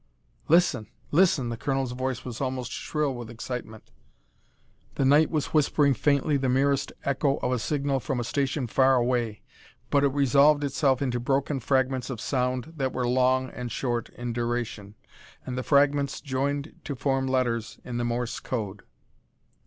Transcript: "Listen! Listen!" The colonel's voice was almost shrill with excitement. The night was whispering faintly the merest echo of a signal from a station far away, but it resolved itself into broken fragments of sound that were long and short in duration, and the fragments joined to form letters in the Morse code.